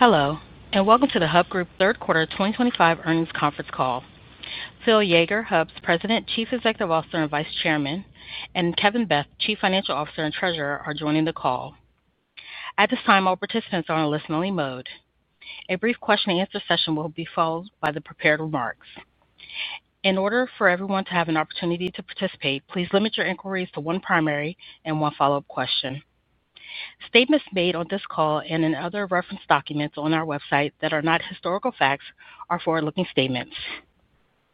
Hello, and welcome to the Hub Group Third Quarter 2025 Earnings Conference call. Phil Yeager, Hub's President, Chief Executive Officer, and Vice Chairman, and Kevin Beth, Chief Financial Officer and Treasurer, are joining the call. At this time, all participants are on a listen-only mode. A brief question-and-answer session will be followed by the prepared remarks. In order for everyone to have an opportunity to participate, please limit your inquiries to one primary and one follow-up question. Statements made on this call and in other reference documents on our website that are not historical facts are forward-looking statements.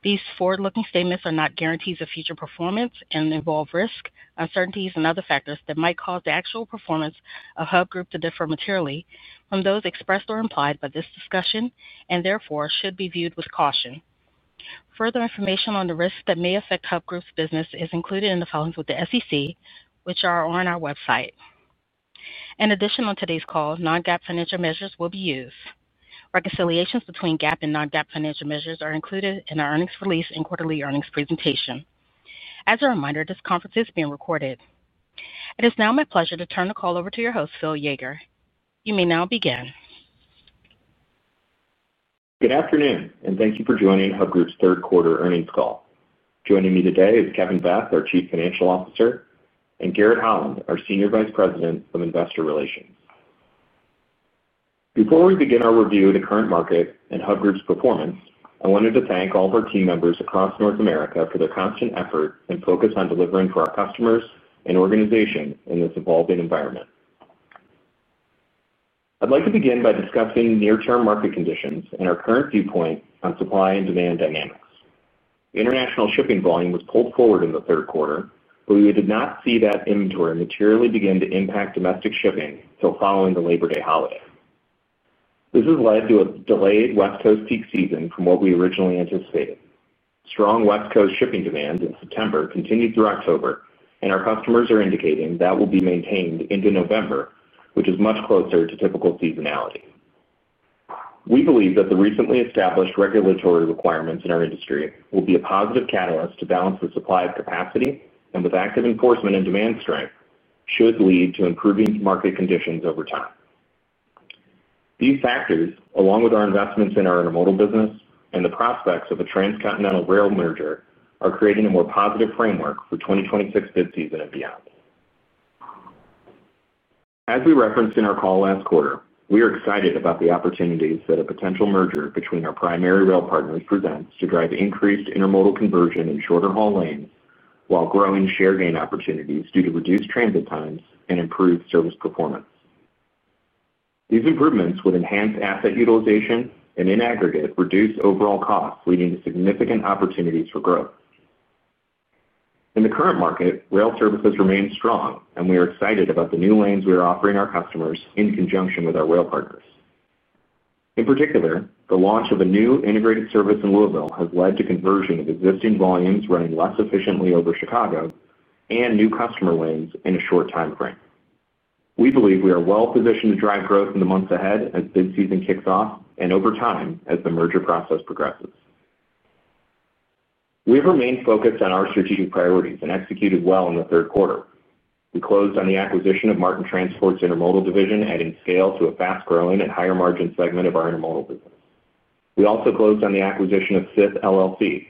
These forward-looking statements are not guarantees of future performance and involve risk, uncertainties, and other factors that might cause the actual performance of Hub Group to differ materially from those expressed or implied by this discussion and, therefore, should be viewed with caution. Further information on the risks that may affect Hub Group's business is included in the filings with the SEC, which are on our website. In addition, on today's call, non-GAAP financial measures will be used. Reconciliations between GAAP and non-GAAP financial measures are included in our earnings release and quarterly earnings presentation. As a reminder, this conference is being recorded. It is now my pleasure to turn the call over to your host, Phil Yeager. You may now begin. Good afternoon, and thank you for joining Hub Group's Third Quarter Earnings call. Joining me today is Kevin Beth, our Chief Financial Officer, and Garrett Holland, our Senior Vice President of Investor Relations. Before we begin our review of the current market and Hub Group's performance, I wanted to thank all of our team members across North America for their constant effort and focus on delivering for our customers and organization in this evolving environment. I'd like to begin by discussing near-term market conditions and our current viewpoint on supply and demand dynamics. International shipping volume was pulled forward in the third quarter, but we did not see that inventory materially begin to impact domestic shipping until following the Labor Day holiday. This has led to a delayed West Coast peak season from what we originally anticipated. Strong West Coast shipping demand in September continued through October, and our customers are indicating that will be maintained into November, which is much closer to typical seasonality. We believe that the recently established regulatory requirements in our industry will be a positive catalyst to balance the supply of capacity, and with active enforcement and demand strength, should lead to improving market conditions over time. These factors, along with our investments in our intermodal business and the prospects of a transcontinental rail merger, are creating a more positive framework for 2026 peak season and beyond. As we referenced in our call last quarter, we are excited about the opportunities that a potential merger between our primary rail partners presents to drive increased intermodal conversion in shorter haul lanes while growing share gain opportunities due to reduced transit times and improved service performance. These improvements would enhance asset utilization and, in aggregate, reduce overall costs, leading to significant opportunities for growth. In the current market, rail services remain strong, and we are excited about the new lanes we are offering our customers in conjunction with our rail partners. In particular, the launch of a new integrated service in Louisville has led to conversion of existing volumes running less efficiently over Chicago and new customer lanes in a short time frame. We believe we are well positioned to drive growth in the months ahead as peak season kicks off and over time as the merger process progresses. We have remained focused on our strategic priorities and executed well in the third quarter. We closed on the acquisition of Martin Transport's intermodal division, adding scale to a fast-growing and higher-margin segment of our intermodal business. We also closed on the acquisition of Smith LLC,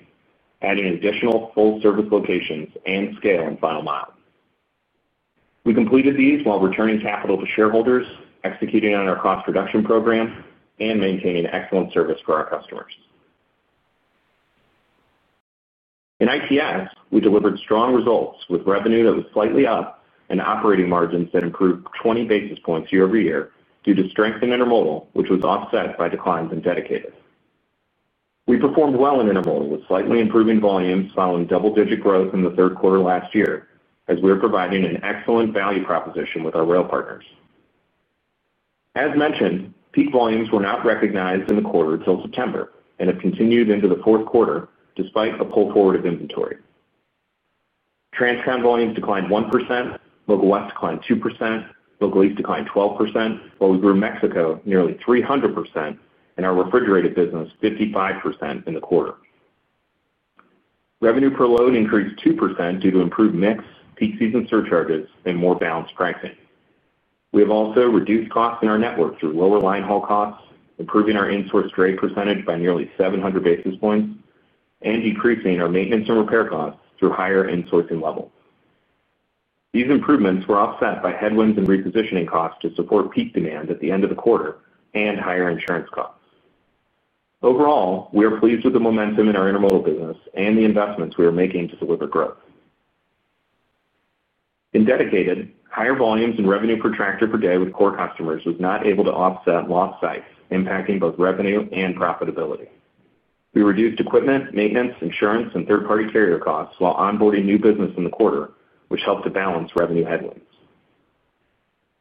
adding additional full-service locations and scale in Final Mile. We completed these while returning capital to shareholders, executing on our cost reduction program, and maintaining excellent service for our customers. In ITS, we delivered strong results with revenue that was slightly up and operating margins that improved 20 basis points year-over-year due to strength in intermodal, which was offset by declines in dedicated. We performed well in intermodal with slightly improving volumes following double-digit growth in the third quarter last year as we were providing an excellent value proposition with our rail partners. As mentioned, peak volumes were not recognized in the quarter until September and have continued into the fourth quarter despite a pull forward of inventory. Transcon volumes declined 1%, Local West declined 2%, Local East declined 12%, while we grew Mexico nearly 300% and our refrigerated business 55% in the quarter. Revenue per load increased 2% due to improved mix, peak season surcharges, and more balanced pricing. We have also reduced costs in our network through lower-line haul costs, improving our in-source trade percentage by nearly 700 basis points, and decreasing our maintenance and repair costs through higher in-sourcing levels. These improvements were offset by headwinds and repositioning costs to support peak demand at the end of the quarter and higher insurance costs. Overall, we are pleased with the momentum in our intermodal business and the investments we are making to deliver growth. In dedicated, higher volumes and revenue per tractor per day with core customers was not able to offset lost sites, impacting both revenue and profitability. We reduced equipment, maintenance, insurance, and third-party carrier costs while onboarding new business in the quarter, which helped to balance revenue headwinds.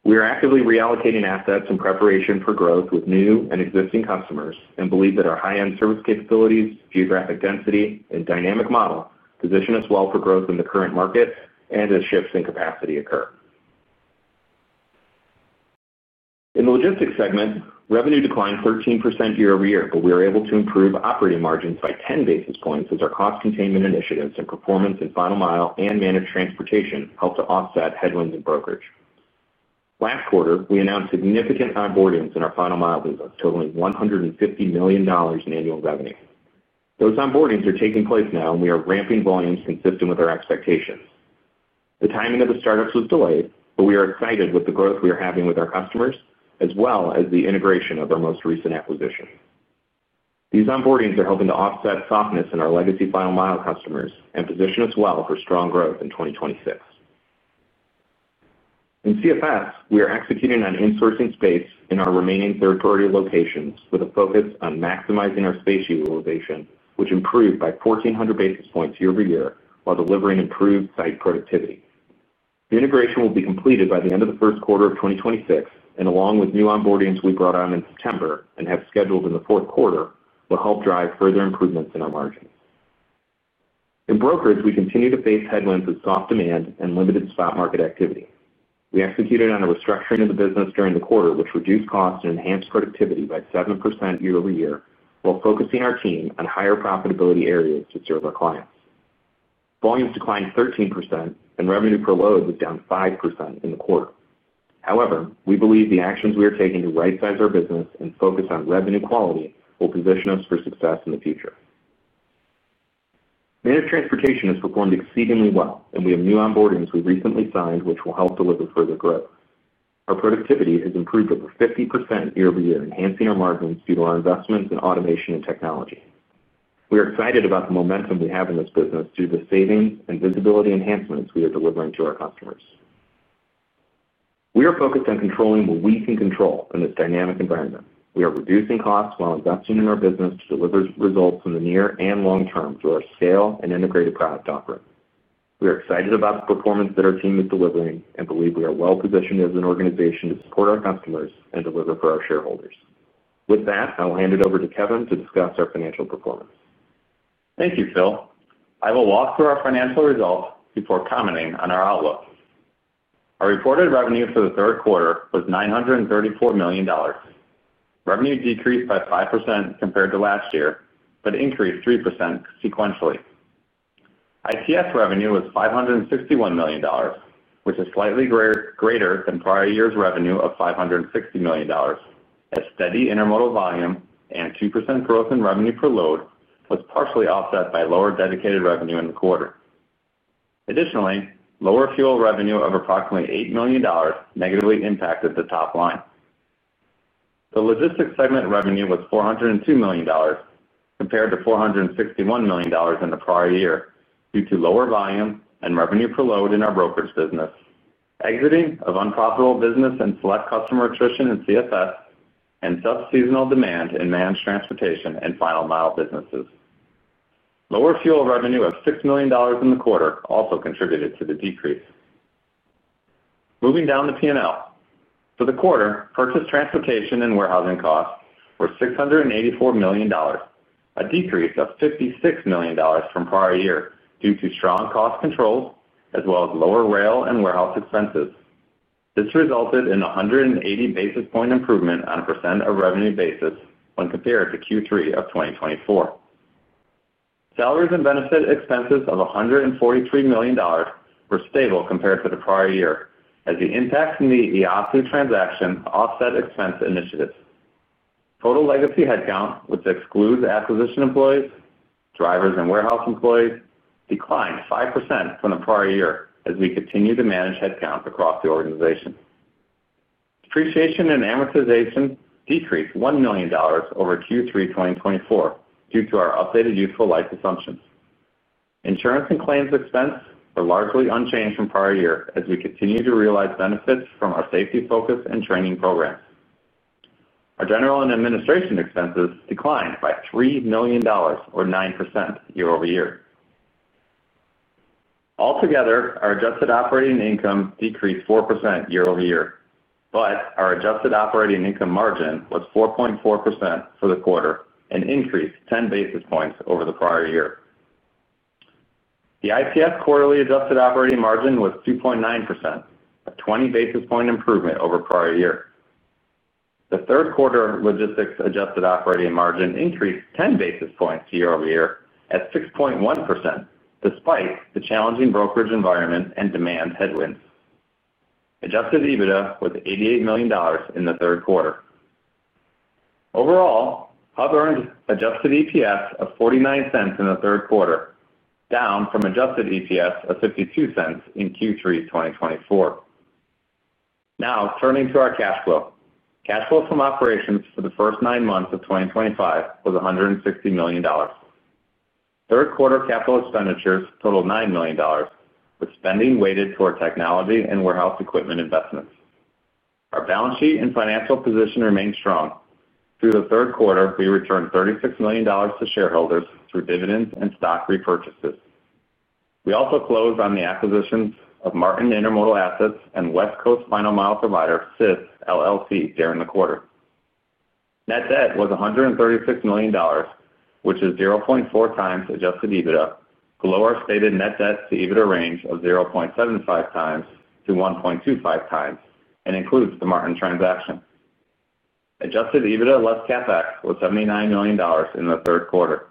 We are actively reallocating assets in preparation for growth with new and existing customers and believe that our high-end service capabilities, geographic density, and dynamic model position us well for growth in the current market and as shifts in capacity occur. In the logistics segment, revenue declined 13% year-over-year, but we were able to improve operating margins by 10 basis points as our cost containment initiatives and performance in Final Mile and managed transportation helped to offset headwinds in brokerage. Last quarter, we announced significant onboardings in our Final Mile business totaling $150 million in annual revenue. Those onboardings are taking place now, and we are ramping volumes consistent with our expectations. The timing of the startups was delayed, but we are excited with the growth we are having with our customers as well as the integration of our most recent acquisition. These onboardings are helping to offset softness in our legacy Final Mile customers and position us well for strong growth in 2026. In CFS, we are executing on in-sourcing space in our remaining third-party locations with a focus on maximizing our space utilization, which improved by 1,400 basis points year-over-year while delivering improved site productivity. The integration will be completed by the end of the first quarter of 2026, and along with new onboardings we brought on in September and have scheduled in the fourth quarter, will help drive further improvements in our margins. In brokerage, we continue to face headwinds of soft demand and limited spot market activity. We executed on a restructuring of the business during the quarter, which reduced costs and enhanced productivity by 7% year-over-year while focusing our team on higher profitability areas to serve our clients. Volumes declined 13%, and revenue per load was down 5% in the quarter. However, we believe the actions we are taking to right-size our business and focus on revenue quality will position us for success in the future. Managed transportation has performed exceedingly well, and we have new onboardings we recently signed, which will help deliver further growth. Our productivity has improved over 50% year-over-year, enhancing our margins due to our investments in automation and technology. We are excited about the momentum we have in this business due to the savings and visibility enhancements we are delivering to our customers. We are focused on controlling what we can control in this dynamic environment. We are reducing costs while investing in our business to deliver results in the near and long term through our scale and integrated product offering. We are excited about the performance that our team is delivering and believe we are well positioned as an organization to support our customers and deliver for our shareholders. With that, I will hand it over to Kevin to discuss our financial performance. Thank you, Phil. I will walk through our financial results before commenting on our outlook. Our reported revenue for the third quarter was $934 million. Revenue decreased by 5% compared to last year but increased 3% sequentially. ITS revenue was $561 million, which is slightly greater than prior year's revenue of $560 million. A steady intermodal volume and 2% growth in revenue per load was partially offset by lower dedicated revenue in the quarter. Additionally, lower fuel revenue of approximately $8 million negatively impacted the top line. The logistics segment revenue was $402 million compared to $461 million in the prior year due to lower volume and revenue per load in our brokerage business, exiting of unprofitable business and select customer attrition in CFS, and sub-seasonal demand in managed transportation and Final Mile businesses. Lower fuel revenue of $6 million in the quarter also contributed to the decrease. Moving down the P&L, for the quarter, purchase transportation and warehousing costs were $684 million, a decrease of $56 million from prior year due to strong cost controls as well as lower rail and warehouse expenses. This resulted in a 180 basis point improvement on a percent of revenue basis when compared to Q3 of 2024. Salaries and benefit expenses of $143 million were stable compared to the prior year as the impact from the EASO transaction offset expense initiatives. Total legacy headcount, which excludes acquisition employees, drivers, and warehouse employees, declined 5% from the prior year as we continue to manage headcount across the organization. Depreciation and amortization decreased $1 million over Q3 2024 due to our updated useful life assumptions. Insurance and claims expenses were largely unchanged from prior year as we continue to realize benefits from our safety-focused and training programs. Our general and administration expenses declined by $3 million, or 9% year-over-year. Altogether, our adjusted operating income decreased 4% year-over-year, but our adjusted operating income margin was 4.4% for the quarter and increased 10 basis points over the prior year. The ITS quarterly adjusted operating margin was 2.9%, a 20 basis point improvement over prior year. The third quarter logistics adjusted operating margin increased 10 basis points year-over-year at 6.1% despite the challenging brokerage environment and demand headwinds. Adjusted EBITDA was $88 million in the third quarter. Overall, Hub earned adjusted EPS of $0.49 in the third quarter, down from adjusted EPS of $0.52 in Q3 2024. Now, turning to our cash flow. Cash flow from operations for the first nine months of 2025 was $160 million. Third quarter capital expenditures totaled $9 million, with spending weighted toward technology and warehouse equipment investments. Our balance sheet and financial position remained strong. Through the third quarter, we returned $36 million to shareholders through dividends and stock repurchases. We also closed on the acquisitions of Martin Intermodal Assets and West Coast Final Mile provider Smith LLC during the quarter. Net debt was $136 million, which is 0.4x adjusted EBITDA, below our stated net debt-to-EBITDA range of 0.75x to 1.25x, and includes the Martin transaction. Adjusted EBITDA less CapEx was $79 million in the third quarter.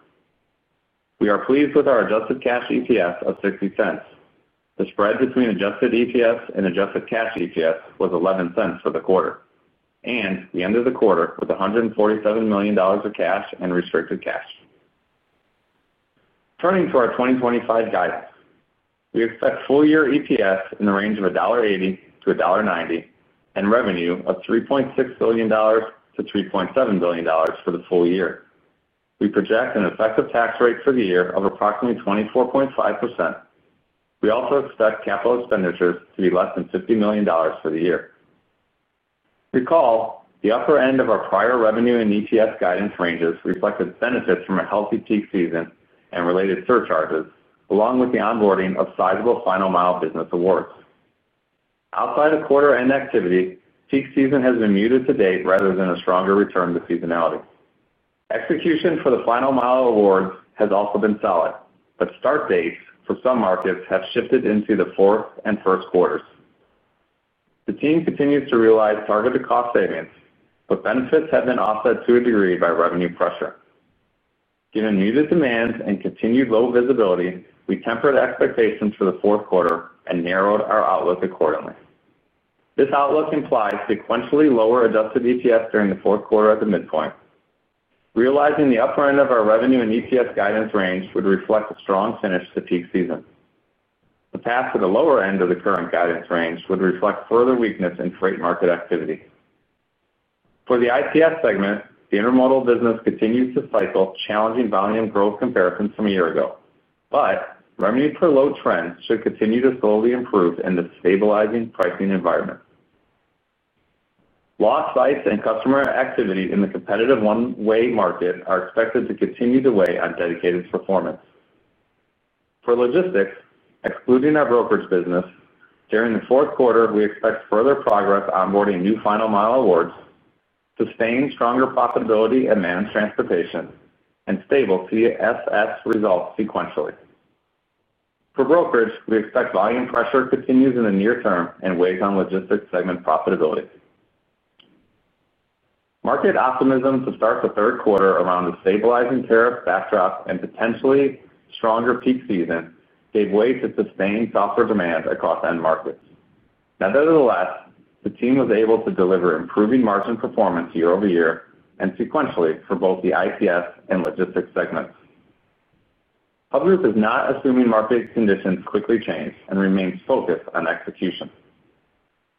We are pleased with our adjusted cash EPS of $0.60. The spread between adjusted EPS and adjusted cash EPS was $0.11 for the quarter, and we ended the quarter with $147 million of cash and restricted cash. Turning to our 2025 guidance, we expect full-year EPS in the range of $1.80-$1.90 and revenue of $3.6 billion-$3.7 billion for the full year. We project an effective tax rate for the year of approximately 24.5%. We also expect capital expenditures to be less than $50 million for the year. Recall, the upper end of our prior revenue and EPS guidance ranges reflected benefits from a healthy peak season and related surcharges, along with the onboarding of sizable Final Mile business awards. Outside of quarter-end activity, peak season has been muted to date rather than a stronger return to seasonality. Execution for the Final Mile awards has also been solid, but start dates for some markets have shifted into the fourth and first quarters. The team continues to realize targeted cost savings, but benefits have been offset to a degree by revenue pressure. Given muted demands and continued low visibility, we tempered expectations for the fourth quarter and narrowed our outlook accordingly. This outlook implies sequentially lower adjusted EPS during the fourth quarter at the midpoint. Realizing the upper end of our revenue and EPS guidance range would reflect a strong finish to peak season. The path to the lower end of the current guidance range would reflect further weakness in freight market activity. For the ITS segment, the intermodal business continues to cycle challenging volume growth comparisons from a year ago, but revenue per load trends should continue to slowly improve in the stabilizing pricing environment. Lost sites and customer activity in the competitive one-way market are expected to continue to weigh on dedicated performance. For logistics, excluding our brokerage business, during the fourth quarter, we expect further progress onboarding new Final Mile awards, sustained stronger profitability in managed transportation, and stable CFS results sequentially. For brokerage, we expect volume pressure continues in the near term and weighs on logistics segment profitability. Market optimism to start the third quarter around a stabilizing tariff backdrop and potentially stronger peak season gave way to sustained softer demand across end markets. Nevertheless, the team was able to deliver improving margin performance year-over-year and sequentially for both the ITS and logistics segments. Hub Group is not assuming market conditions quickly change and remains focused on execution.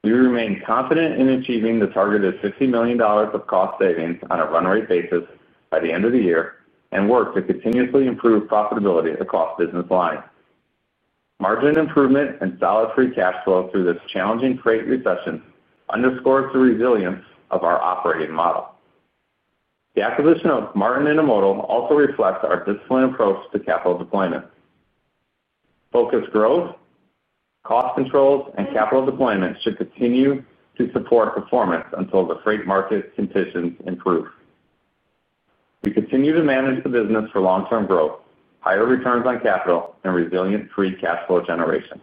We remain confident in achieving the targeted $50 million of cost savings on a run rate basis by the end of the year and work to continuously improve profitability across business lines. Margin improvement and solid free cash flow through this challenging freight recession underscores the resilience of our operating model. The acquisition of Martin Intermodal also reflects our disciplined approach to capital deployment. Focused growth, cost controls, and capital deployment should continue to support performance until the freight market conditions improve. We continue to manage the business for long-term growth, higher returns on capital, and resilient free cash flow generation.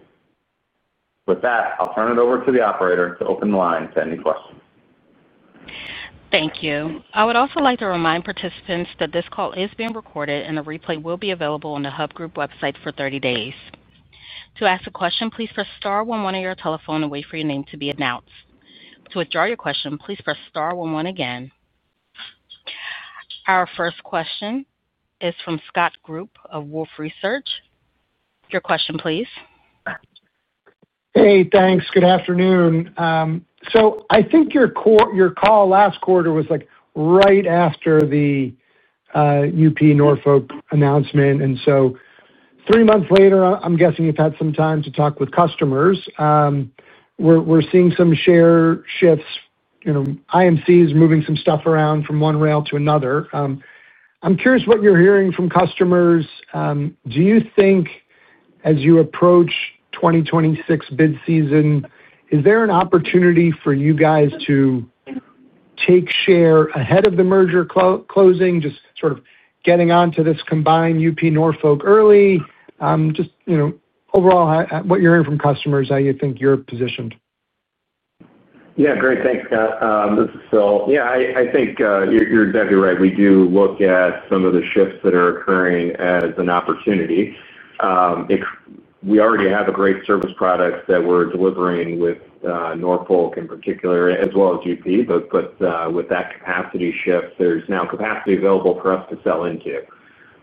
With that, I'll turn it over to the operator to open the line to any questions. Thank you. I would also like to remind participants that this call is being recorded, and the replay will be available on the Hub Group website for 30 days. To ask a question, please press star one one on your telephone and wait for your name to be announced. To withdraw your question, please press star one one again. Our first question is from Scott Group of Wolfe Research. Your question, please. Hey, thanks. Good afternoon. I think your call last quarter was right after the UP-Norfolk announcement. Three months later, I'm guessing you've had some time to talk with customers. We're seeing some share shifts. IMC is moving some stuff around from one rail to another. I'm curious what you're hearing from customers. Do you think as you approach 2026 bid season, is there an opportunity for you guys to take share ahead of the merger closing, just sort of getting onto this combined UP-Norfolk early? Just overall, what you're hearing from customers, how you think you're positioned. Yeah, great. Thanks, Scott. This is Phil. Yeah, I think you're exactly right. We do look at some of the shifts that are occurring as an opportunity. We already have a great service product that we're delivering with Norfolk in particular, as well as UP. With that capacity shift, there's now capacity available for us to sell into.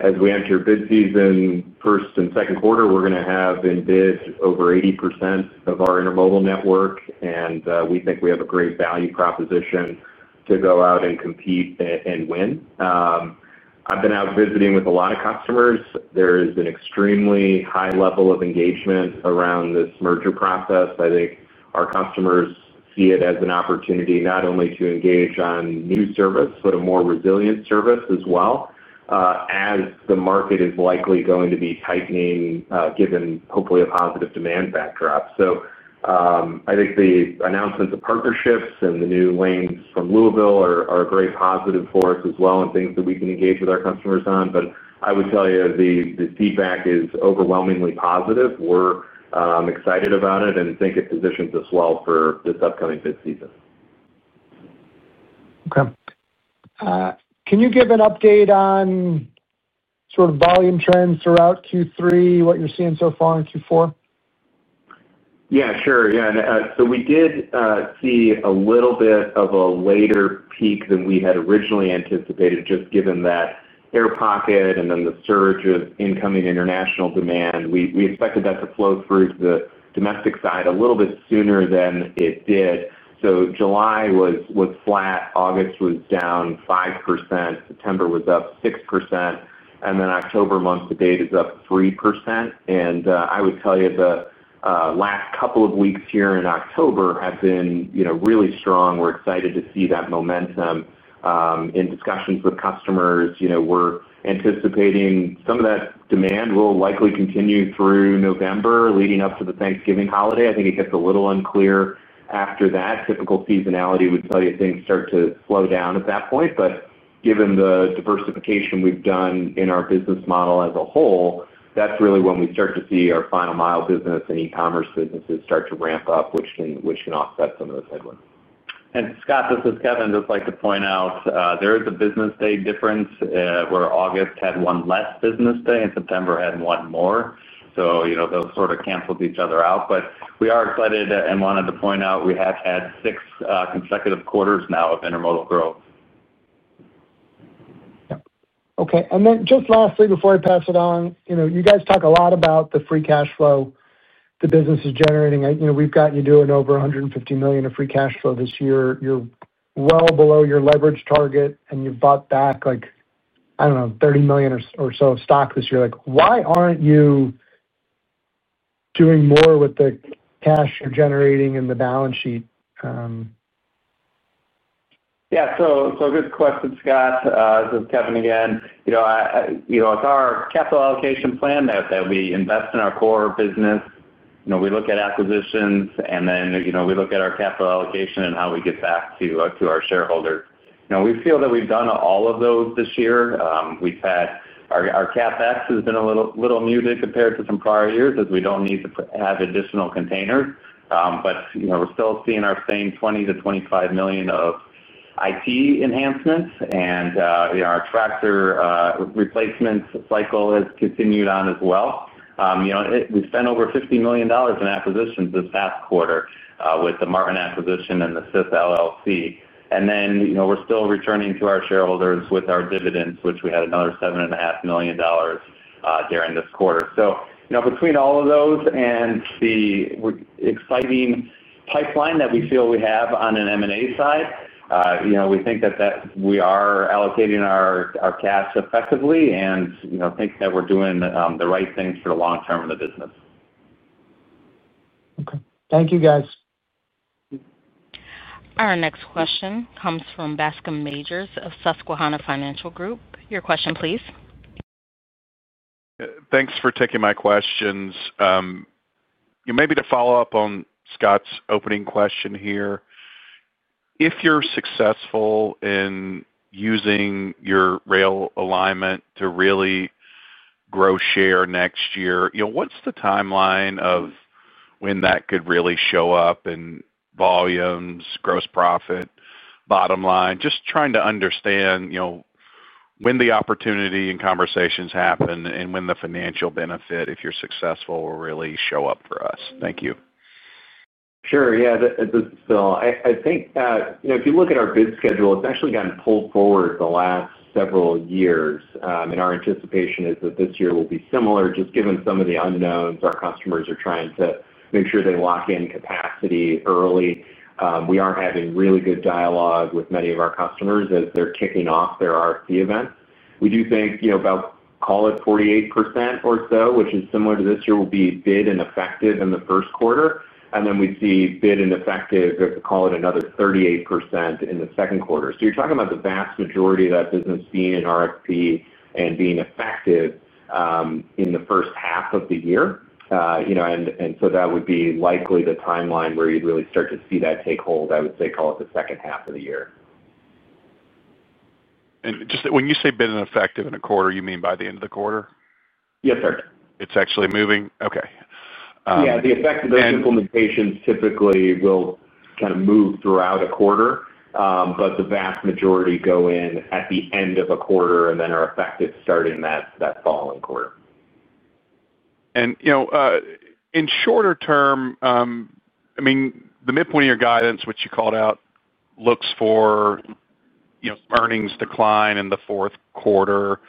As we enter bid season first and second quarter, we're going to have in bid over 80% of our intermodal network, and we think we have a great value proposition to go out and compete and win. I've been out visiting with a lot of customers. There is an extremely high level of engagement around this merger process. I think our customers see it as an opportunity not only to engage on new service but a more resilient service as well, as the market is likely going to be tightening, given hopefully a positive demand backdrop. I think the announcements of partnerships and the new lanes from Louisville are very positive for us as well and things that we can engage with our customers on. I would tell you the feedback is overwhelmingly positive. We're excited about it and think it positions us well for this upcoming bid season. Okay. Can you give an update on sort of volume trends throughout Q3, what you're seeing so far in Q4? Yeah, sure. We did see a little bit of a later peak than we had originally anticipated, just given that air pocket and then the surge of incoming international demand. We expected that to flow through to the domestic side a little bit sooner than it did. July was flat. August was down 5%. September was up 6%. October month-to-date is up 3%. I would tell you the last couple of weeks here in October have been really strong. We're excited to see that momentum. In discussions with customers, we're anticipating some of that demand will likely continue through November leading up to the Thanksgiving holiday. I think it gets a little unclear after that. Typical seasonality would tell you things start to slow down at that point. Given the diversification we've done in our business model as a whole, that's really when we start to see our Final Mile business and e-commerce businesses start to ramp up, which can offset some of those headwinds. Scott, this is Kevin. Just like to point out, there is a business day difference where August had one less business day and September had one more. Those sort of canceled each other out. We are excited and wanted to point out we have had six consecutive quarters now of intermodal growth. Okay. Lastly, before I pass it on, you guys talk a lot about the free cash flow the business is generating. We've got you doing over $150 million of free cash flow this year. You're well below your leverage target, and you've bought back, I don't know, $30 million or so of stock this year. Why aren't you doing more with the cash you're generating in the balance sheet? Yeah. Good question, Scott. This is Kevin again. It's our capital allocation plan that we invest in our core business. We look at acquisitions, and then we look at our capital allocation and how we get back to our shareholders. We feel that we've done all of those this year. Our CapEx has been a little muted compared to some prior years as we don't need to have additional containers. We're still seeing our same $20 million-$25 million of IT enhancements, and our tractor replacement cycle has continued on as well. We spent over $50 million in acquisitions this past quarter with the Martin acquisition and the Smith LLC. We're still returning to our shareholders with our dividends, which we had another $7.5 million during this quarter. Between all of those and the exciting pipeline that we feel we have on an M&A side, we think that we are allocating our cash effectively and think that we're doing the right things for the long term of the business. Okay, thank you, guys. Our next question comes from Bascome Majors of Susquehanna Financial Group. Your question, please. Thanks for taking my questions. Maybe to follow up on Scott's opening question here. If you're successful in using your rail alignment to really grow share next year, what's the timeline of when that could really show up in volumes, gross profit, bottom line? Just trying to understand when the opportunity and conversations happen and when the financial benefit, if you're successful, will really show up for us. Thank you. Sure. Yeah. This is Phil. I think if you look at our bid schedule, it's actually gotten pulled forward the last several years. Our anticipation is that this year will be similar, just given some of the unknowns. Our customers are trying to make sure they lock in capacity early. We are having really good dialogue with many of our customers as they're kicking off their RFP events. We do think about, call it, 48% or so, which is similar to this year, will be bid and effective in the first quarter. We'd see bid and effective, call it, another 38% in the second quarter. You're talking about the vast majority of that business being in RFP and being effective in the first half of the year. That would be likely the timeline where you'd really start to see that take hold, I would say, call it, the second half of the year. When you say bid and effective in a quarter, you mean by the end of the quarter? Yes, sir. It's actually moving? Okay. The effective implementations typically will kind of move throughout a quarter, but the vast majority go in at the end of a quarter and then are effective starting that following quarter. In shorter-term, I mean, the midpoint of your guidance, which you called out, looks for earnings decline in the fourth quarter.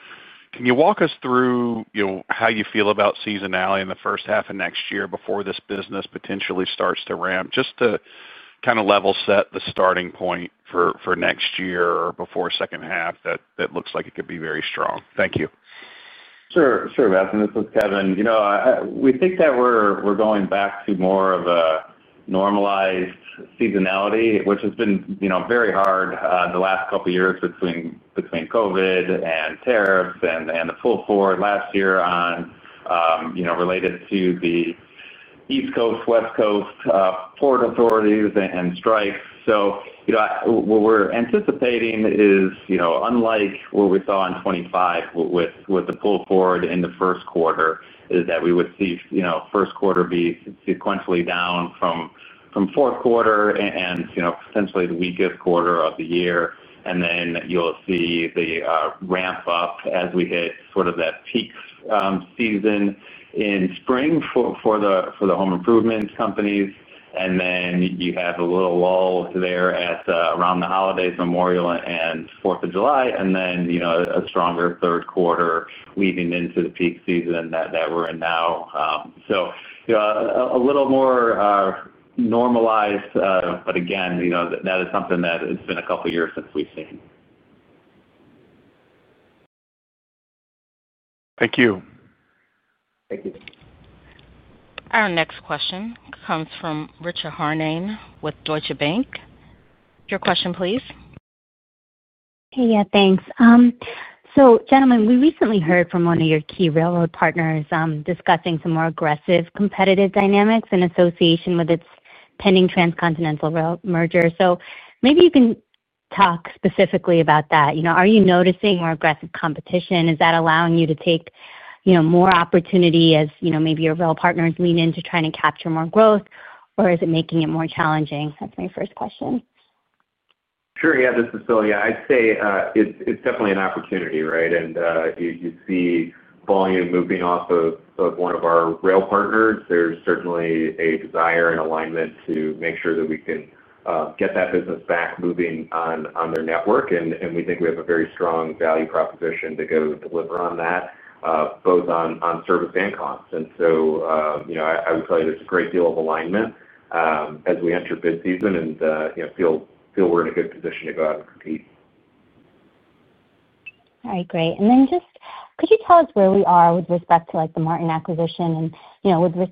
Can you walk us through how you feel about seasonality in the first half of next year before this business potentially starts to ramp? Just to kind of level set the starting point for next year or before second half that looks like it could be very strong. Thank you. Sure. This is Kevin. We think that we're going back to more of a normalized seasonality, which has been very hard the last couple of years between COVID and tariffs and the pull forward last year related to the East Coast, West Coast port authorities, and strikes. What we're anticipating is, unlike what we saw in 2025 with the pull forward in the first quarter, we would see first quarter be sequentially down from fourth quarter and potentially the weakest quarter of the year. You'll see the ramp up as we hit sort of that peak season in spring for the home improvement companies. You have a little lull there around the holidays, Memorial and 4th of July, and then a stronger third quarter leading into the peak season that we're in now. A little more normalized, but again, that is something that it's been a couple of years since we've seen. Thank you. Our next question comes from Richa Harned with Deutsche Bank. Your question, please. Yeah, thanks. Gentlemen, we recently heard from one of your key railroad partners discussing more aggressive competitive dynamics in association with its pending transcontinental rail merger. Maybe you can talk specifically about that. Are you noticing more aggressive competition? Is that allowing you to take more opportunity as maybe your rail partners lean into trying to capture more growth, or is it making it more challenging? That's my first question. Sure. Yeah, this is Phil. I'd say it's definitely an opportunity, right? You see volume moving off of one of our rail partners. There's certainly a desire and alignment to make sure that we can get that business back moving on their network. We think we have a very strong value proposition to go deliver on that, both on service and cost. I would tell you there's a great deal of alignment as we enter bid season and feel we're in a good position to go out and compete. All right, great. Could you tell us where we are with respect to the Martin acquisition? Phil,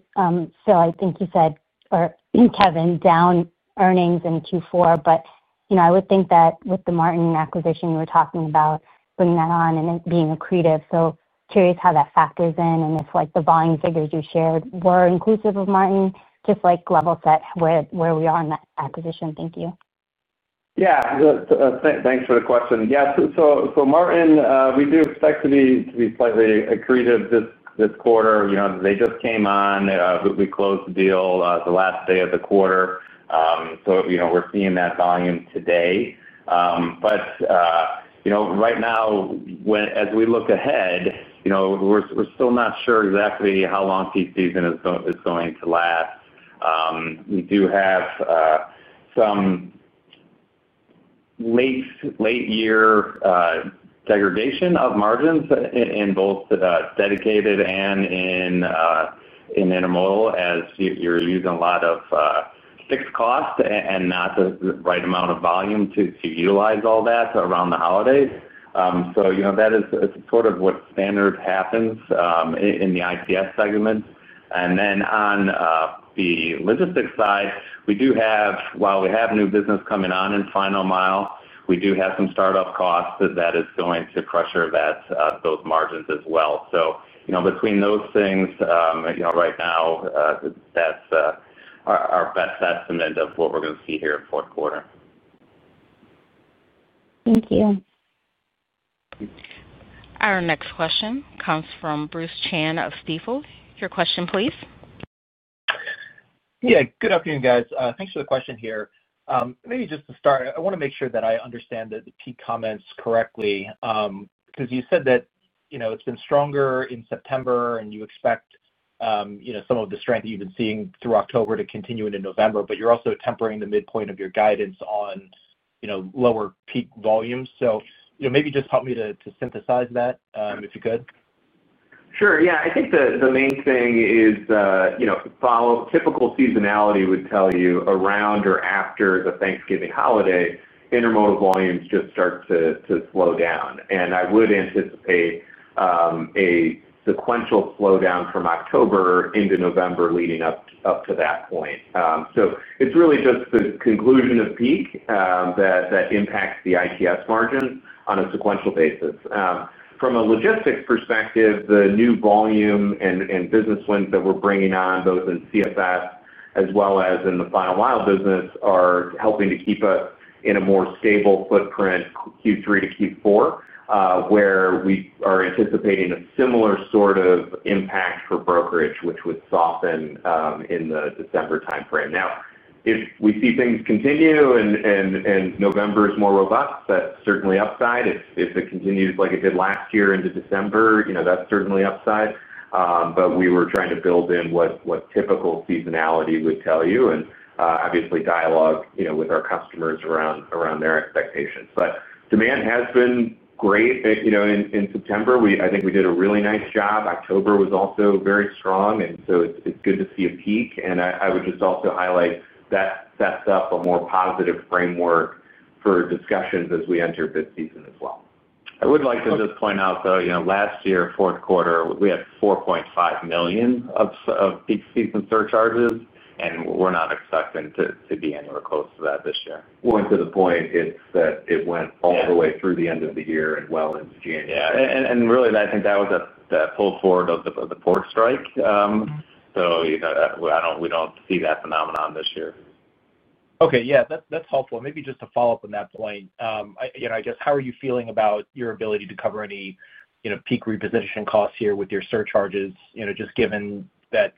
I think you said, or Kevin, down earnings in Q4. I would think that with the Martin acquisition, you were talking about bringing that on and it being accretive. Curious how that factors in. If the volume figures you shared were inclusive of Martin, just level set where we are in that acquisition. Thank you. Yeah. Thanks for the question. Yeah. So Martin, we do expect to be slightly accretive this quarter. They just came on. We closed the deal the last day of the quarter, so we're seeing that volume today. Right now, as we look ahead, we're still not sure exactly how long peak season is going to last. We do have some late-year segregation of margins in both dedicated and in intermodal as you're using a lot of fixed cost and not the right amount of volume to utilize all that around the holidays. That is sort of what standard happens in the ITS segment. On the logistics side, while we have new business coming on in Final Mile, we do have some startup costs that is going to pressure those margins as well. Between those things, right now, that's our best estimate of what we're going to see here in fourth quarter. Thank you. Our next question comes from Bruce Chan of Stifel. Your question, please. Yeah. Good afternoon, guys. Thanks for the question here. Maybe just to start, I want to make sure that I understand the peak comments correctly. Because you said that it's been stronger in September, and you expect some of the strength that you've been seeing through October to continue into November, but you're also tempering the midpoint of your guidance on lower peak volumes. Maybe just help me to synthesize that if you could. Sure. I think the main thing is, typical seasonality would tell you around or after the Thanksgiving holiday, intermodal volumes just start to slow down. I would anticipate a sequential slowdown from October into November leading up to that point. It's really just the conclusion of peak that impacts the ITS margins on a sequential basis. From a logistics perspective, the new volume and business wins that we're bringing on, both in CFS as well as in the Final Mile business, are helping to keep us in a more stable footprint Q3 to Q4. We are anticipating a similar sort of impact for brokerage, which would soften in the December timeframe. If we see things continue and November is more robust, that's certainly upside. If it continues like it did last year into December, that's certainly upside. We were trying to build in what typical seasonality would tell you and obviously dialogue with our customers around their expectations. Demand has been great in September. I think we did a really nice job. October was also very strong. It's good to see a peak. I would just also highlight that sets up a more positive framework for discussions as we enter bid season as well. I would like to just point out, though, last year, fourth quarter, we had $4.5 million of peak season surcharges, and we're not expecting to be anywhere close to that this year. Going to the point, it went all the way through the end of the year and well into January. I think that was that pull forward of the port strike. We don't see that phenomenon this year. Okay. Yeah, that's helpful. Maybe just to follow up on that point, I guess, how are you feeling about your ability to cover any peak repositioning costs here with your surcharges, just given that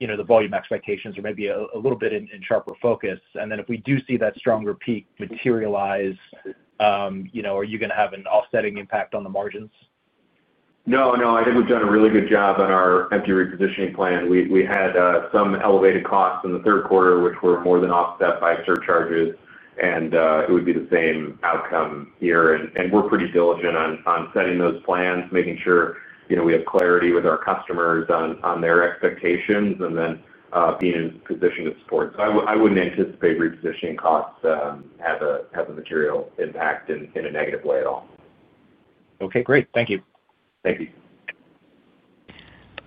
the volume expectations are maybe a little bit in sharper focus? If we do see that stronger peak materialize, are you going to have an offsetting impact on the margins? I think we've done a really good job on our empty repositioning plan. We had some elevated costs in the third quarter, which were more than offset by surcharges. It would be the same outcome here. We're pretty diligent on setting those plans, making sure we have clarity with our customers on their expectations, and then being in position to support. I wouldn't anticipate repositioning costs have a material impact in a negative way at all. Okay. Great. Thank you. Thank you.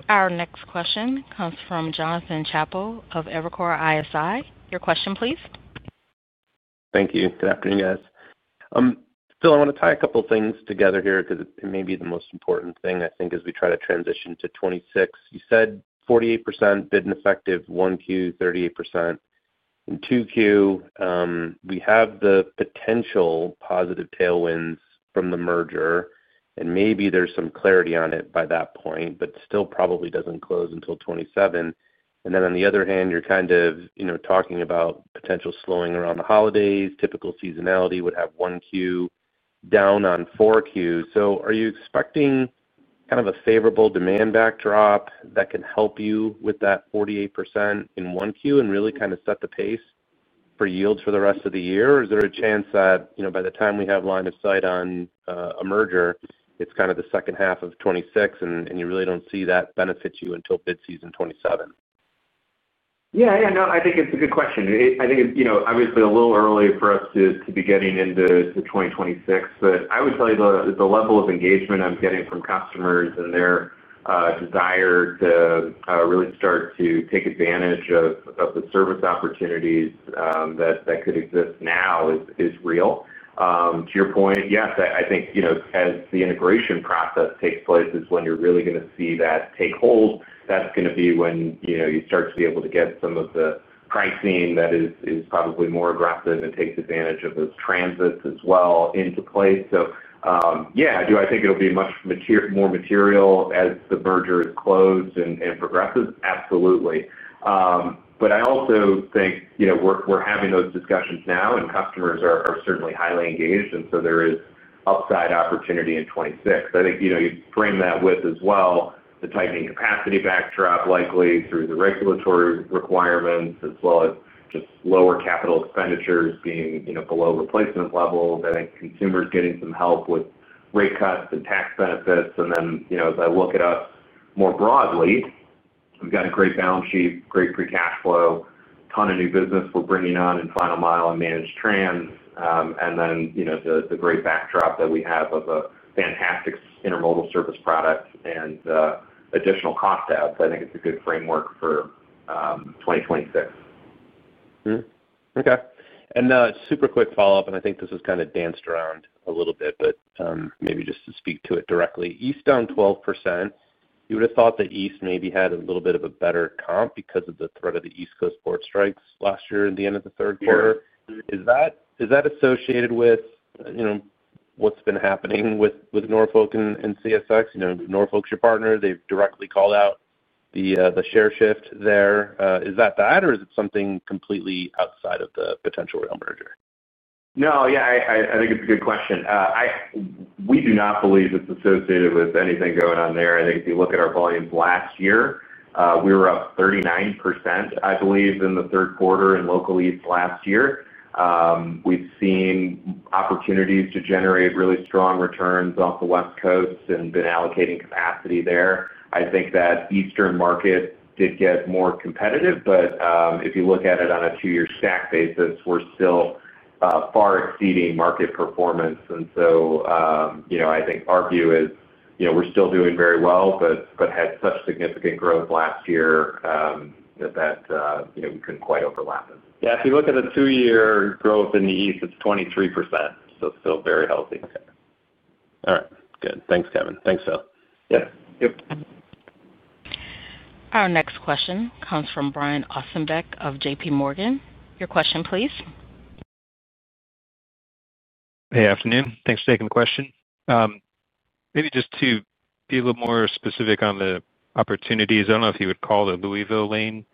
Our next question comes from Jonathan Chappell of Evercore ISI. Your question, please. Thank you. Good afternoon, guys. Phil, I want to tie a couple of things together here because it may be the most important thing, I think, as we try to transition to 2026. You said 48% bid and effective, 1Q, 38% in 2Q. We have the potential positive tailwinds from the merger, and maybe there's some clarity on it by that point, but still probably doesn't close until 2027. On the other hand, you're kind of talking about potential slowing around the holidays. Typical seasonality would have 1Q down on 4Q. Are you expecting kind of a favorable demand backdrop that can help you with that 48% in 1Q and really kind of set the pace for yields for the rest of the year? Or is there a chance that by the time we have line of sight on a merger, it's kind of the second half of 2026, and you really don't see that benefit until bid season 2027? Yeah. No, I think it's a good question. I think it's obviously a little early for us to be getting into 2026. I would tell you the level of engagement I'm getting from customers and their desire to really start to take advantage of the service opportunities that could exist now is real. To your point, yes, I think as the integration process takes place is when you're really going to see that take hold. That's going to be when you start to be able to get some of the pricing that is probably more aggressive and takes advantage of those transits as well into place. I think it'll be much more material as the merger is closed and progressive. Absolutely. I also think we're having those discussions now, and customers are certainly highly engaged. There is upside opportunity in 2026. I think you frame that with as well the tightening capacity backdrop likely through the regulatory requirements as well as just lower capital expenditures being below replacement levels. I think consumers getting some help with rate cuts and tax benefits. As I look at us more broadly, we've got a great balance sheet, great free cash flow, a ton of new business we're bringing on in Final Mile and managed transportation, and then the great backdrop that we have of a fantastic intermodal service product and additional cost apps. I think it's a good framework for 2026. Okay. A super quick follow-up, and I think this has kind of danced around a little bit, but maybe just to speak to it directly. East down 12%. You would have thought that East maybe had a little bit of a better comp because of the threat of the East Coast port strikes last year at the end of the third quarter. Is that associated with what's been happening with Norfolk and CSX? Norfolk's your partner. They've directly called out the share shift there. Is that that, or is it something completely outside of the potential rail merger? No. Yeah. I think it's a good question. We do not believe it's associated with anything going on there. I think if you look at our volumes last year, we were up 39% in the third quarter in Local East last year. We've seen opportunities to generate really strong returns off the West Coast and been allocating capacity there. I think that Eastern market did get more competitive. If you look at it on a two-year stack basis, we're still far exceeding market performance. I think our view is we're still doing very well, but had such significant growth last year that we couldn't quite overlap it. Yeah. If you look at the 2-year growth in the East, it's 23%, so still very healthy. Okay. All right. Good. Thanks, Kevin. Thanks, Phil. Yeah. Yep. Our next question comes from Brian Ossenbeck of JPMorgan. Your question, please. Hey, afternoon. Thanks for taking the question. Maybe just to be a little more specific on the opportunities, I don't know if you would call the Louisville lane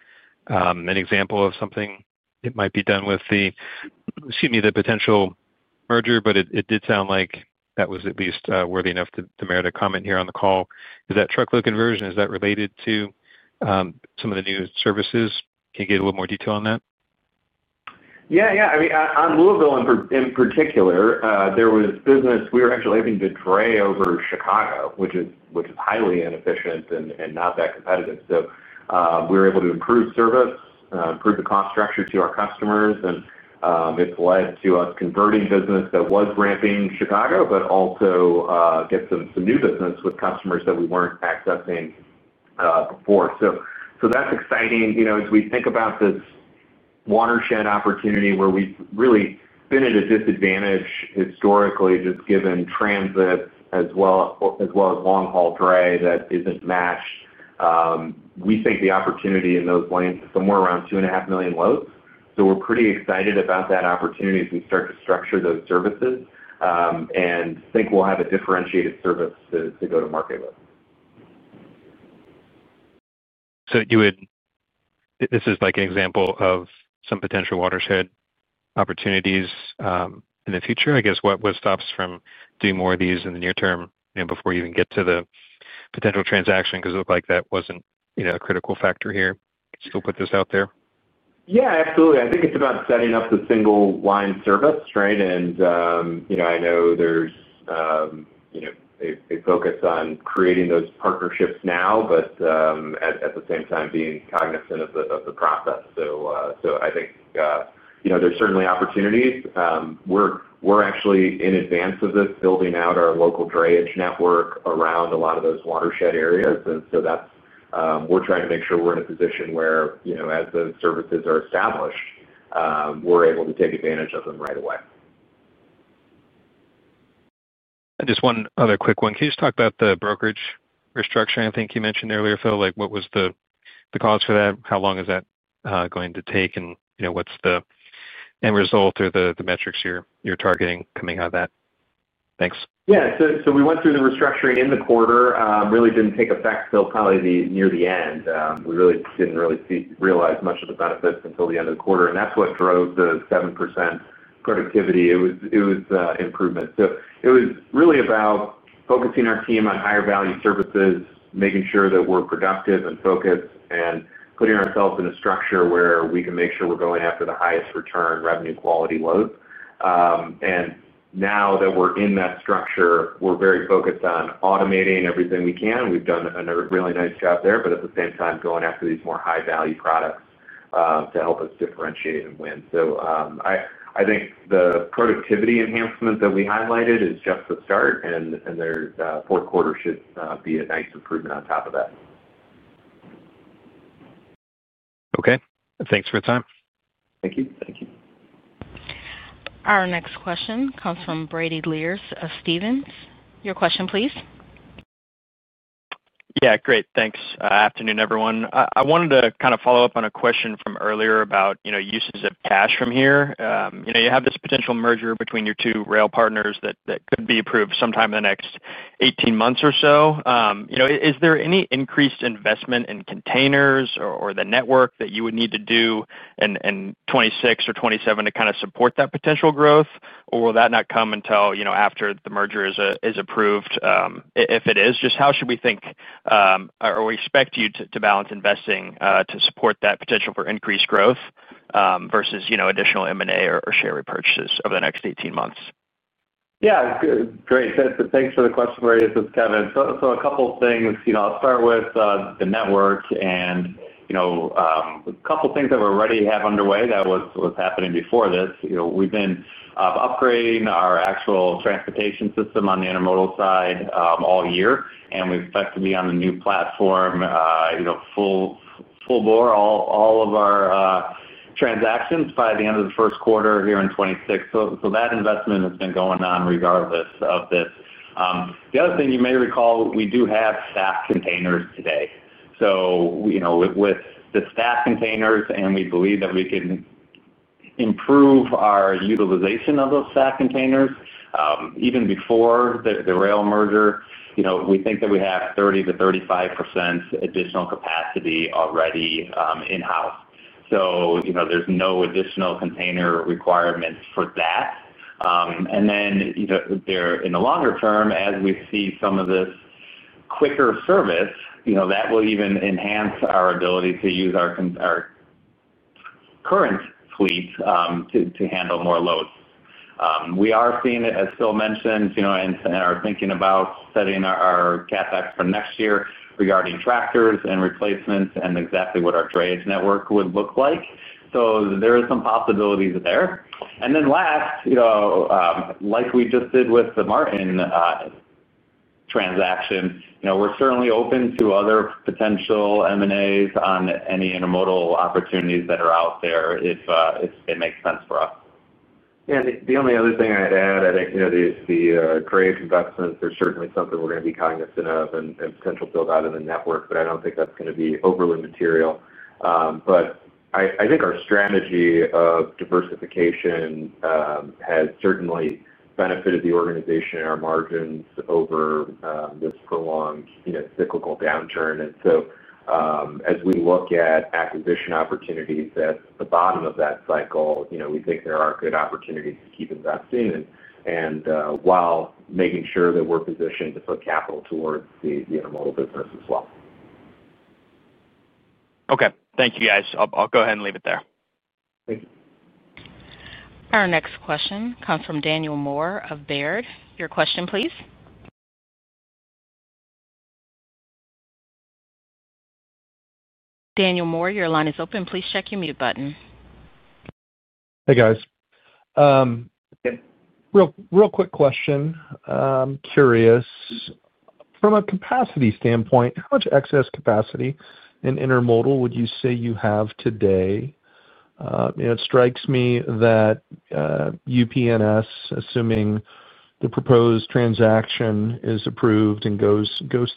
an example of something that might be done with the potential merger, but it did sound like that was at least worthy enough to merit a comment here on the call. Is that truckload conversion? Is that related to some of the new services? Can you get a little more detail on that? Yeah. I mean, on Louisville in particular, there was business we were actually able to gray over Chicago, which is highly inefficient and not that competitive. We were able to improve service, improve the cost structure to our customers, and it's led to us converting business that was ramping Chicago, but also get some new business with customers that we weren't accessing before. That's exciting as we think about this watershed opportunity where we've really been at a disadvantage historically, just given transits as well as long-haul, dray that isn't matched. We think the opportunity in those lanes is somewhere around 2.5 million loads. We're pretty excited about that opportunity as we start to structure those services. I think we'll have a differentiated service to go to market with. This is like an example of some potential watershed opportunities in the future. I guess what stops from doing more of these in the near term before you even get to the potential transaction? It looked like that wasn't a critical factor here. Still put this out there. Yeah. Absolutely. I think it's about setting up the single-line service, right? I know there's a focus on creating those partnerships now, but at the same time being cognizant of the process. I think there's certainly opportunities. We're actually in advance of this building out our local drayage network around a lot of those watershed areas, and we're trying to make sure we're in a position where, as those services are established, we're able to take advantage of them right away. Just one other quick one. Can you just talk about the brokerage restructuring? I think you mentioned earlier, Phil, what was the cause for that? How long is that going to take? What's the end result or the metrics you're targeting coming out of that? Thanks. Yeah. We went through the restructuring in the quarter. It really didn't take effect, until probably near the end. We didn't really realize much of the benefits until the end of the quarter. That's what drove the 7% productivity. It was improvement. It was really about focusing our team on higher-value services, making sure that we're productive and focused, and putting ourselves in a structure where we can make sure we're going after the highest return revenue quality load. Now that we're in that structure, we're very focused on automating everything we can. We've done a really nice job there, but at the same time, going after these more high-value products to help us differentiate and win. I think the productivity enhancement that we highlighted is just the start, and the fourth quarter should be a nice improvement on top of that. Okay. Thanks for your time. Thank you. Thank you. Our next question comes from Brady Lierz of Stephens. Your question, please. Yeah. Great. Thanks. Afternoon, everyone. I wanted to kind of follow up on a question from earlier about uses of cash from here. You have this potential merger between your two rail partners that could be approved sometime in the next 18 months or so. Is there any increased investment in containers or the network that you would need to do in 2026 or 2027 to kind of support that potential growth? Or will that not come until after the merger is approved? If it is, just how should we think or expect you to balance investing to support that potential for increased growth versus additional M&A or share repurchases over the next 18 months? Yeah. Great. Thanks for the question, this is Kevin. A couple of things. I'll start with the network. A couple of things that we already have underway that was happening before this. We've been upgrading our actual transportation system on the intermodal side all year, and we expect to be on a new platform full-bore, all of our transactions by the end of the first quarter here in 2026. That investment has been going on regardless of this. The other thing you may recall, we do have staff containers today. With the staff containers, we believe that we can improve our utilization of those staff containers even before the rail merger. We think that we have 30%-35% additional capacity already in-house. There's no additional container requirements for that. In the longer term, as we see some of this quicker service, that will even enhance our ability to use our current fleet to handle more loads. We are seeing it, as Phil mentioned, and are thinking about setting our CapEx for next year regarding tractors and replacements and exactly what our drayage network would look like. There are some possibilities there. Last, like we just did with the Martin transaction, we're certainly open to other potential M&A on any intermodal opportunities that are out there if it makes sense for us. The only other thing I'd add, I think the dray investments are certainly something we're going to be cognizant of and potential build-out of the network, but I don't think that's going to be overly material. I think our strategy of diversification has certainly benefited the organization and our margins over this prolonged cyclical downturn. As we look at acquisition opportunities at the bottom of that cycle, we think there are good opportunities to keep investing while making sure that we're positioned to put capital towards the intermodal business as well. Okay. Thank you, guys. I'll go ahead and leave it there. Thank you. Our next question comes from Daniel Moore of Baird. Your question, please. Daniel Moore, your line is open. Please check your mute button. Hey, guys. Real quick question. Curious. From a capacity standpoint, how much excess capacity in intermodal would you say you have today? It strikes me that UP and NS, assuming the proposed transaction is approved and goes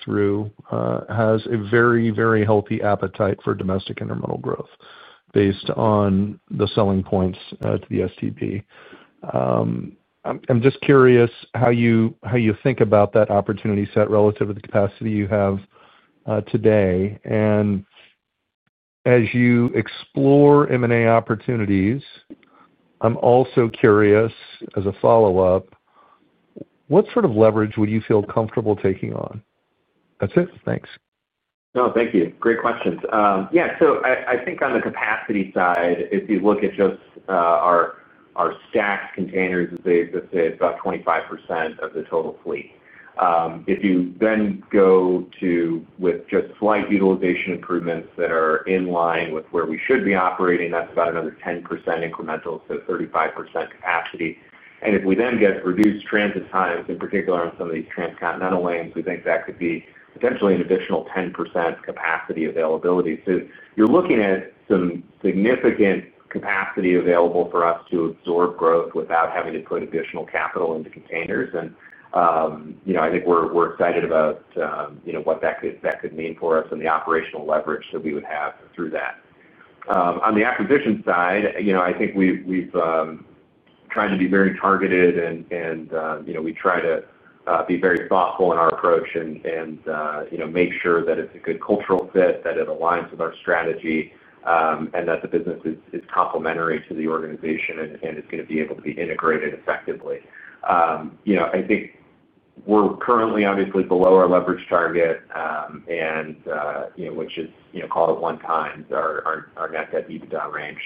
through, has a very, very healthy appetite for domestic intermodal growth based on the selling points to the STB. I'm just curious how you think about that opportunity set relative to the capacity you have today. As you explore M&A opportunities, I'm also curious, as a follow-up, what sort of leverage would you feel comfortable taking on? That's it. Thanks. Thank you. Great questions. I think on the capacity side, if you look at just our stacked containers, that's about 25% of the total fleet. If you then go with just slight utilization improvements that are in line with where we should be operating, that's about another 10% incremental, so 35% capacity. If we then get reduced transit times, in particular on some of these transcontinental lanes, we think that could be potentially an additional 10% capacity availability. You're looking at some significant capacity available for us to absorb growth without having to put additional capital into containers. I think we're excited about what that could mean for us and the operational leverage that we would have through that. On the acquisition side, I think we've tried to be very targeted, and we try to be very thoughtful in our approach and make sure that it's a good cultural fit, that it aligns with our strategy, and that the business is complementary to the organization and is going to be able to be integrated effectively. We're currently, obviously, below our leverage target, which is called at one time, our net debt-to-EBITDA range.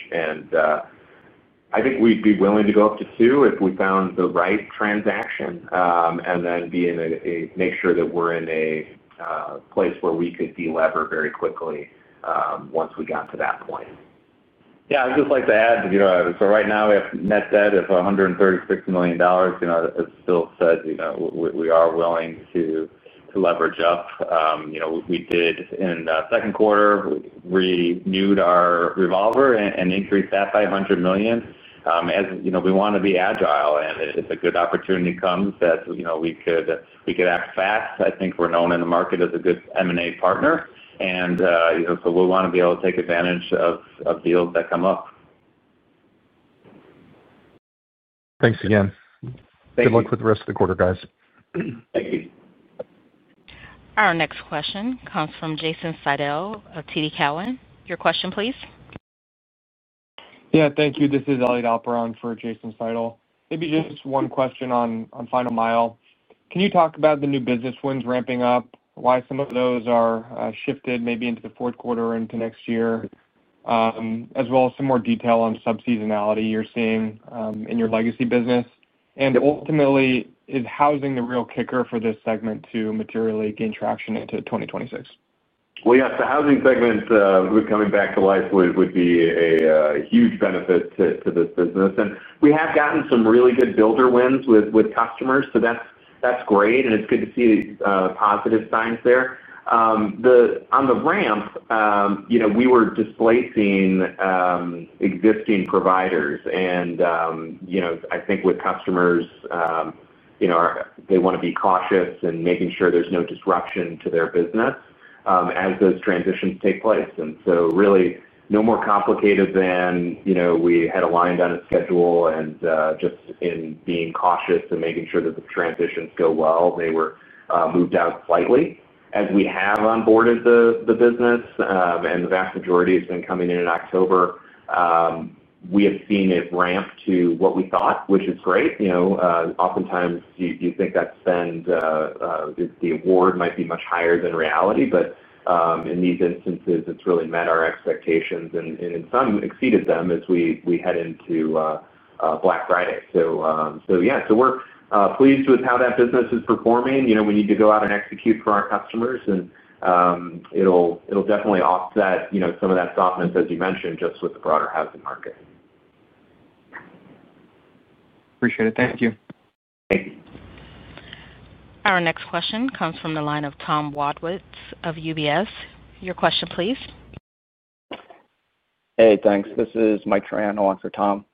I think we'd be willing to go up to two if we found the right transaction and then make sure that we're in a place where we could delever very quickly once we got to that point. I'd just like to add, right now, we have net debt of $136 million. As Phil said, we are willing to leverage up. We did, in the second quarter, renew our revolver and increased that by $100 million. We want to be agile, and if a good opportunity comes, we could act fast. I think we're known in the market as a good M&A partner. We want to be able to take advantage of deals that come up. Thanks again. Good luck with the rest of the quarter, guys. Thank you. Our next question comes from Jason Seidl of TD Cowen. Your question, please. Yeah. Thank you. This is Elliot Alper for Jason Seidl. Maybe just one question on Final Mile. Can you talk about the new business wins ramping up, why some of those are shifted maybe into the fourth quarter into next year, as well as some more detail on subseasonality you're seeing in your legacy business? Ultimately, is housing the real kicker for this segment to materially gain traction into 2026? The housing segment coming back to life would be a huge benefit to this business. We have gotten some really good builder wins with customers, so that's great, and it's good to see the positive signs there. On the ramp, we were displacing existing providers. I think with customers, they want to be cautious in making sure there's no disruption to their business as those transitions take place. It's really no more complicated than we had aligned on a schedule, and just in being cautious and making sure that the transitions go well, they were moved out slightly. As we have onboarded the business and the vast majority has been coming in in October, we have seen it ramp to what we thought, which is great. Oftentimes, you think that spend, the award might be much higher than reality, but in these instances, it's really met our expectations and in some exceeded them as we head into Black Friday. We're pleased with how that business is performing. We need to go out and execute for our customers, and it'll definitely offset some of that softness, as you mentioned, just with the broader housing market. Appreciate it. Thank you. Thank you. Our next question comes from the line of Tom Wadewitz of UBS. Your question, please. Thanks. This is Mike Triano on for Tom.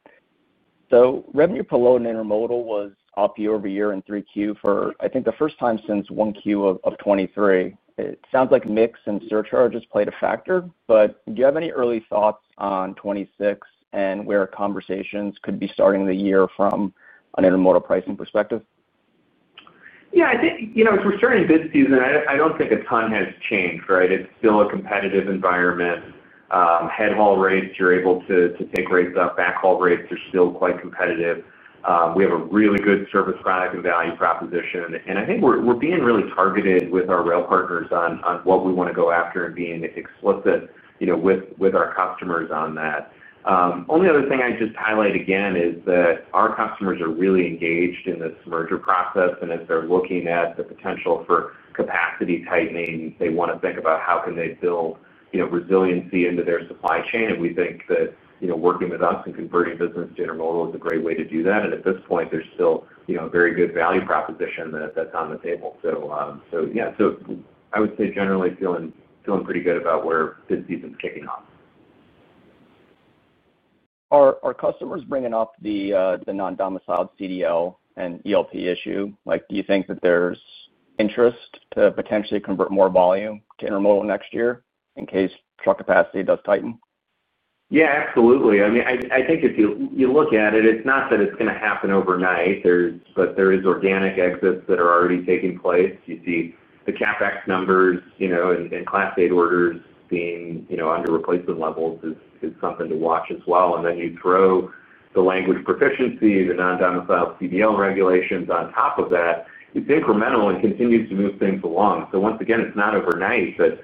Revenue per load in intermodal was up year-over-year in Q3 for, I think, the first time since 1Q of 2023. It sounds like mix and surcharges played a factor, but do you have any early thoughts on 2026 and where conversations could be starting the year from an intermodal pricing perspective? I think as we're starting this season, I don't think a ton has changed, right? It's still a competitive environment. Head haul rates, you're able to take rates up. Back haul rates are still quite competitive. We have a really good service product and value proposition. I think we're being really targeted with our rail partners on what we want to go after and being explicit with our customers on that. The only other thing I'd just highlight again is that our customers are really engaged in this merger process. As they're looking at the potential for capacity tightening, they want to think about how they can build resiliency into their supply chain. We think that working with us and converting business to intermodal is a great way to do that. At this point, there's still a very good value proposition that's on the table. I would say generally feeling pretty good about where this season's kicking off. Are customers bringing up the non-domiciled CDL and ELP issue? Do you think that there's interest to potentially convert more volume to intermodal next year in case truck capacity does tighten? Absolutely. I mean, I think if you look at it, it's not that it's going to happen overnight, but there are organic exits that are already taking place. You see the CapEx numbers and Class 8 orders being under replacement levels is something to watch as well. Then you throw the language proficiency, the non-domiciled CDL regulations on top of that, it's incremental and continues to move things along. Once again, it's not overnight, but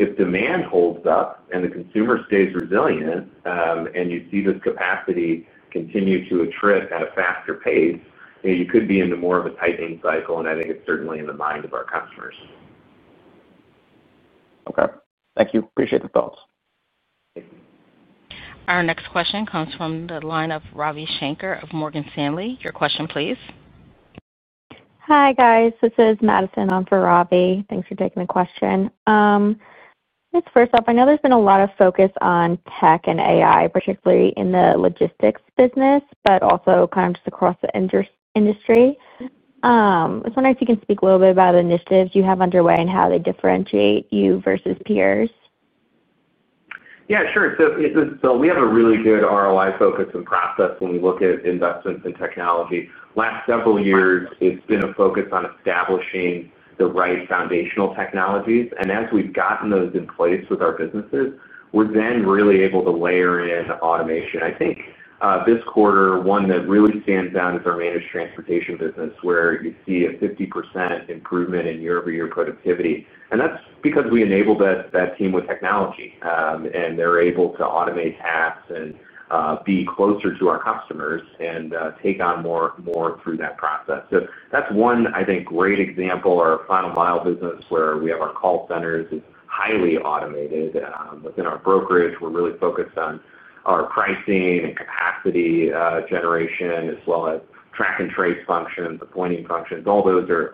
if demand holds up and the consumer stays resilient and you see this capacity continue to attrit at a faster pace, you could be into more of a tightening cycle, and I think it's certainly in the mind of our customers. Okay, thank you. Appreciate the thoughts. Our next question comes from the line of Ravi Shanker of Morgan Stanley. Your question, please. Hi, guys. This is Madison for Ravi. Thanks for taking the question. First off, I know there's been a lot of focus on tech and AI, particularly in the logistics business, but also just across the industry. I was wondering if you can speak a little bit about the initiatives you have underway and how they differentiate you versus peers. Yeah. Sure. We have a really good ROI focus and process when we look at investments in technology. The last several years, it's been a focus on establishing the right foundational technologies. As we've gotten those in place with our businesses, we're then really able to layer in automation. I think this quarter, one that really stands out is our managed transportation business, where you see a 50% improvement in year-over-year productivity. That's because we enabled that team with technology, and they're able to automate tasks and be closer to our customers and take on more through that process. That's one, I think, great example. Our Final Mile business, where we have our call centers, is highly automated. Within our brokerage, we're really focused on our pricing and capacity generation as well as track and trace functions, appointing functions. All those are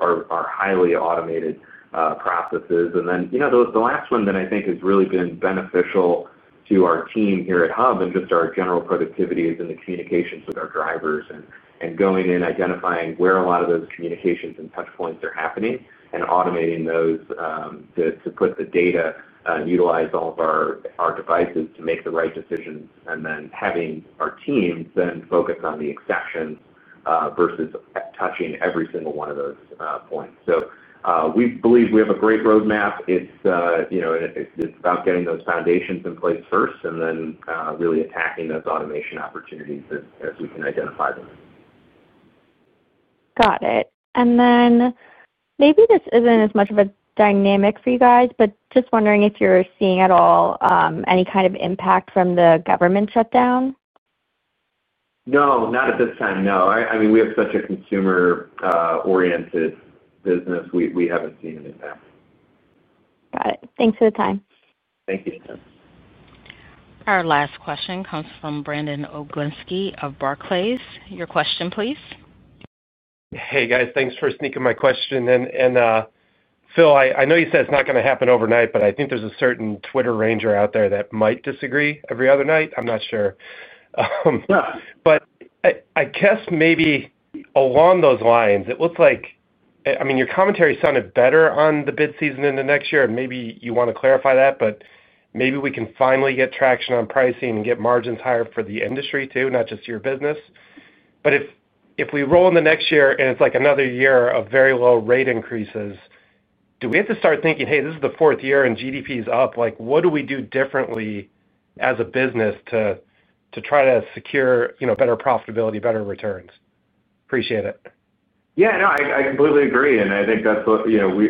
highly automated processes. The last one that I think has really been beneficial to our team here at Hub Group and just our general productivity is in the communications with our drivers and going in, identifying where a lot of those communications and touchpoints are happening and automating those. To put the data and utilize all of our devices to make the right decisions and then having our teams then focus on the exceptions versus touching every single one of those points. We believe we have a great roadmap. It's about getting those foundations in place first and then really attacking those automation opportunities as we can identify them. Got it. Maybe this isn't as much of a dynamic for you guys, but just wondering if you're seeing at all any kind of impact from the government shutdown? No. Not at this time. No, I mean, we have such a consumer-oriented business, we haven't seen anything. Got it. Thanks for the time. Thank you. Our last question comes from Brandon Oglinsky of Barclays Bank PLC. Your question, please. Hey, guys. Thanks for sneaking my question in. Phil, I know you said it's not going to happen overnight, but I think there's a certain Twitter ranger out there that might disagree every other night. I'm not sure. I guess maybe along those lines, it looks like your commentary sounded better on the bid season in the next year, and maybe you want to clarify that, but maybe we can finally get traction on pricing and get margins higher for the industry too, not just your business. If we roll in the next year and it's like another year of very low rate increases, do we have to start thinking, "Hey, this is the fourth year and GDP is up"? What do we do differently as a business to try to secure better profitability, better returns? Appreciate it. Yeah. No, I completely agree. I think that's what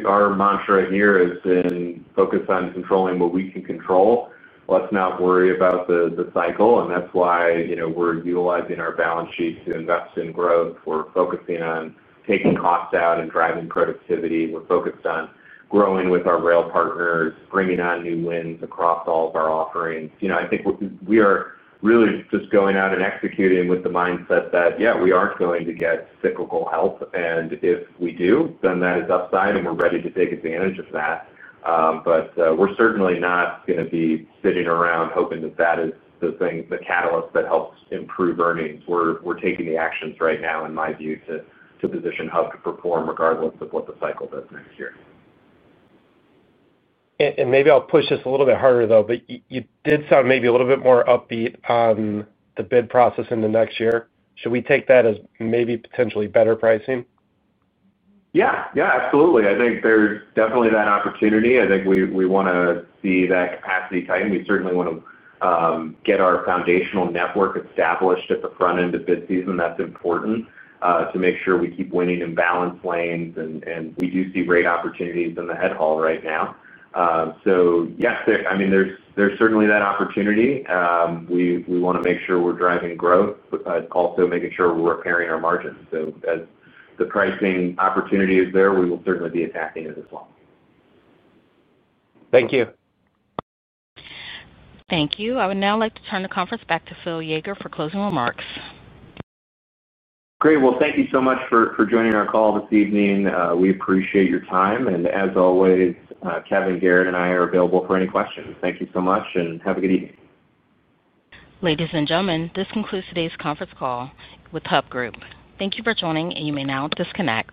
our mantra here has been, focused on controlling what we can control. Let's not worry about the cycle. That's why we're utilizing our balance sheet to invest in growth. We're focusing on taking costs out and driving productivity. We're focused on growing with our rail partners, bringing on new wins across all of our offerings. I think we are really just going out and executing with the mindset that, yeah, we are going to get cyclical help. If we do, then that is upside and we're ready to take advantage of that. We're certainly not going to be sitting around hoping that is the catalyst that helps improve earnings. We're taking the actions right now, in my view, to position Hub Group to perform regardless of what the cycle does next year. Maybe I'll push this a little bit harder, though, but you did sound maybe a little bit more upbeat on the bid process in the next year. Should we take that as maybe potentially better pricing? Yeah, absolutely. I think there's definitely that opportunity. I think we want to see that capacity tighten. We certainly want to get our foundational network established at the front end of bid season. That's important to make sure we keep winning in balance lanes. We do see great opportunities in the head haul right now. Yes, there's certainly that opportunity. We want to make sure we're driving growth, also making sure we're repairing our margins. As the pricing opportunity is there, we will certainly be attacking it as well. Thank you. Thank you. I would now like to turn the conference back to Phillip D. Yeager for closing remarks. Great. Thank you so much for joining our call this evening. We appreciate your time. As always, Kevin, Garrett, and I are available for any questions. Thank you so much, and have a good evening. Ladies and gentlemen, this concludes today's conference call with Hub Group. Thank you for joining, and you may now disconnect.